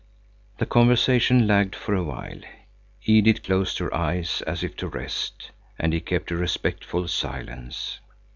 The conversation lagged for a while. Edith closed her eyes, as if to rest, and he kept a respectful silence.